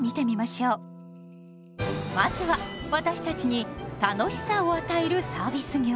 まずは私たちに楽しさを与えるサービス業。